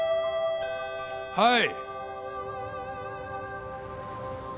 はい！